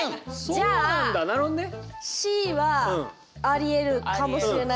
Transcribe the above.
じゃあＣはありえるかもしれない。